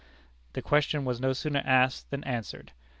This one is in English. The question was no sooner asked than answered.